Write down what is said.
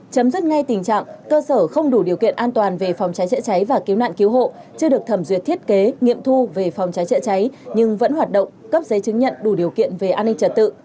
chấm dứt ngay tình trạng cơ sở không đủ điều kiện an toàn về phòng cháy chữa cháy và cứu nạn cứu hộ chưa được thẩm duyệt thiết kế nghiệm thu về phòng cháy chữa cháy nhưng vẫn hoạt động cấp giấy chứng nhận đủ điều kiện về an ninh trật tự